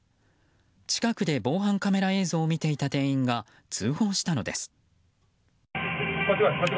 近くで防犯カメラ映像を見ていた店員が通報したのです。